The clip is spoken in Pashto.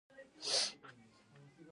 نیت ولې باید پاک وي؟